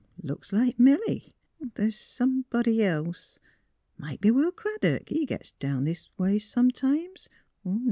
" Looks like Milly; but the's somebody else. Might be Will Craddock; he gits down this way sometimes.